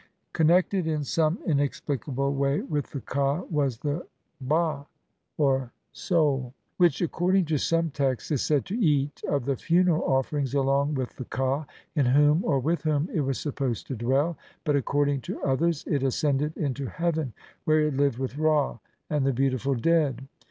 Connected in some inexplicable way with the ka was the 6a, or soul, which according to some texts is said to eat of the funeral offerings along with the ka, in whom or with whom it was supposed to dwell, but according to others it ascended into heaven where it lived with Ra and the beatified dead.